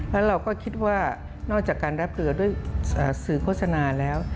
แล้วเราก็คิดว่านอกจากการรับเรือด้วยสื่อโฆษณาแล้ว